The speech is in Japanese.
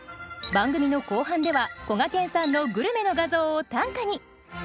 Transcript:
番組の後半ではこがけんさんのグルメの画像を短歌に。